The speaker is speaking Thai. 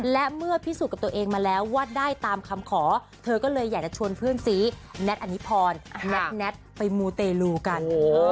และเมื่อพิสูจน์กับตัวเองมาแล้วว่าได้ตามคำขอเธอก็เลยอยากจะชวนเพื่อนซีแน็ตอันนี้พรแน็ตไปมูเตลูกัน